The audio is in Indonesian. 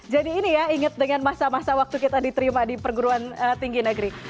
jadi ini ya inget dengan masa masa waktu kita diterima di perguruan tinggi negeri